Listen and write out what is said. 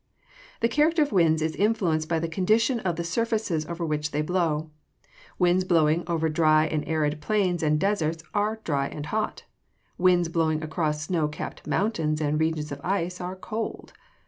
_ The character of winds is influenced by the condition of the surfaces over which they blow. Winds blowing over dry and arid plains and deserts are dry and hot. Winds blowing across snow capped mountains and regions of ice are cold.